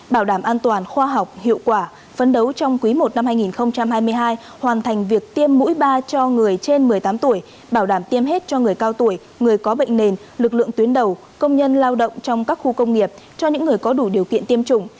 bảo đảm an toàn khoa học hiệu quả phấn đấu trong quý i năm hai nghìn hai mươi hai hoàn thành việc tiêm mũi ba cho người trên một mươi tám tuổi bảo đảm tiêm hết cho người cao tuổi người có bệnh nền lực lượng tuyến đầu công nhân lao động trong các khu công nghiệp cho những người có đủ điều kiện tiêm chủng